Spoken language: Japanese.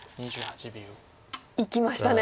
いきましたね。